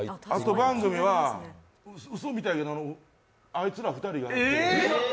後番組はうそみたいやけどあいつら２人がやってる。